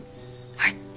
はい。